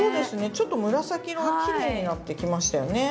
ちょっと紫色がきれいになってきましたよね。